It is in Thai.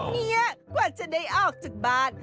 เนี่ยกว่าจะได้ออกจากบ้าน